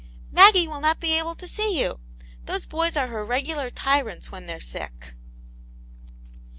" Maggie will not be able to see you. Those boys are her regular tyrants when they're sick."